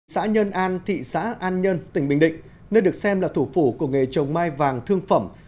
xã nhơn an thị xã an nhơn tỉnh bình định nơi được xem là thủ phủ của nghề trồng mai vàng thương phẩm